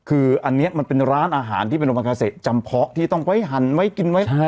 คืออันนี้มันเป็นร้านอาหารที่เป็นอุปคาเซจำเพาะที่ต้องไว้หั่นไว้กินไว้